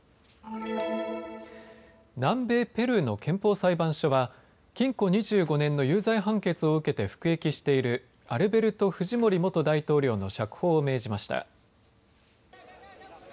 南米ペルーの憲法裁判所は禁錮２５年の有罪判決を受けて服役しているアルベルト・フジモリ元大統領の釈放を命じました。